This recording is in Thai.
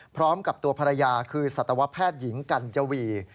พร้อมกับตัวภรรยาคือสัตวแพทย์หญิงกัญจวี